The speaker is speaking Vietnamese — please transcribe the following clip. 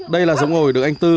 đây là giống ổi được anh tư